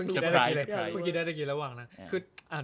กูพึ่งคิดด้วยเหลือกี้ระหว่าง